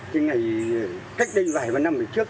thế ngày cách đây vài năm trước